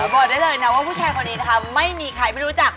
บอกได้เลยนะว่าผู้ชายคนนี้นะคะไม่มีใครไม่รู้จัก